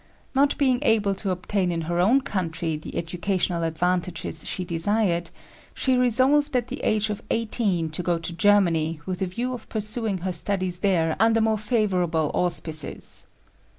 Not being able to obtain in her own country the educational advantages she desired, she resolved at the age of eighteen to go to Germany with a view of pursuing her studies there under more favorable auspices.